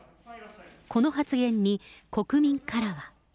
この発言に国民からは。